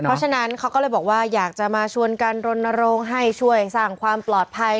เพราะฉะนั้นเขาก็เลยบอกว่าอยากจะมาชวนกันรณรงค์ให้ช่วยสร้างความปลอดภัย